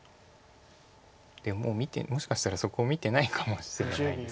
もしかしたらそこ見てないかもしれないです。